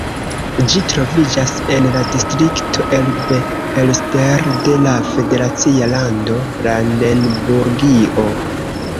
Ĝi troviĝas en la distrikto Elbe-Elster de la federacia lando Brandenburgio.